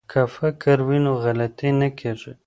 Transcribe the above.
که فکر وي نو غلطي نه کیږي.